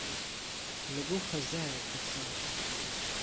له بۆ خهزایه کوففار